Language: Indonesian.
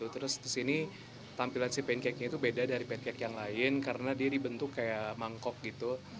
terus di sini tampilan si pancake nya itu beda dari pancake yang lain karena dia dibentuk kayak mangkok gitu